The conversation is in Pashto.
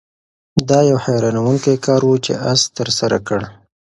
دا یو حیرانوونکی کار و چې آس ترسره کړ.